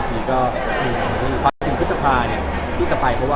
ที่ก็มีมากที่ได้ขาดใจถึงพฤศพารที่จะไปคือ